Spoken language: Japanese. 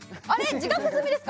自覚済みですか？